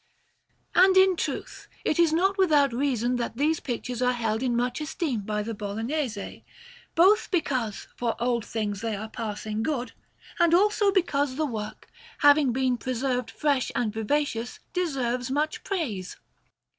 And in truth it is not without reason that these pictures are held in much esteem by the Bolognese, both because, for old things, they are passing good, and also because the work, having been preserved fresh and vivacious, deserves much praise.